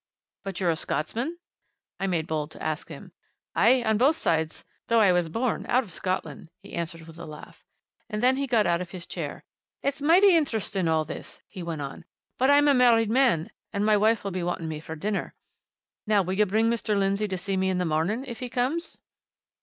"But you're a Scotsman?" I made bold to ask him. "Aye on both sides though I was born out of Scotland," he answered with a laugh. And then he got out of his chair. "It's mighty interesting, all this," he went on. "But I'm a married man, and my wife'll be wanting dinner for me. Now, will you bring Mr. Lindsey to see me in the morning if he comes?"